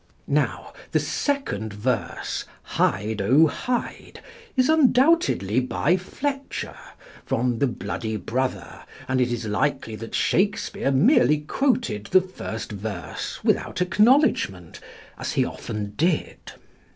Now, the second verse, "Hide, oh hide," is undoubtedly by Fletcher, from The Bloody Brother, and it is likely that Shakespeare merely quoted the first verse without acknowledgment, as he often did.